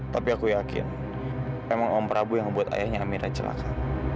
tapi aku yakin emang om prabu yang membuat ayahnya amirnya celaka